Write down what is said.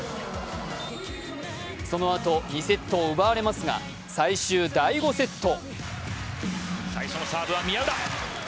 そのあと２セットを奪われますが最終第５セット。